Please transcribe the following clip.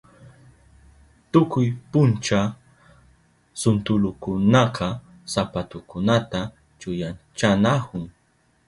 Tukuy puncha suntalukunaka sapatukunata chuyanchanahun.